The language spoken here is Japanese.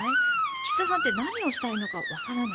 岸田さんって何をしたいのかわからない。